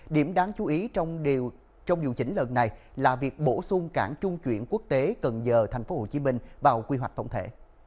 điểm đáng chú ý trong điều chỉnh lần này là việc bổ sung cảng trung chuyển quốc tế cần giờ tp hcm vào quy hoạch tổng thể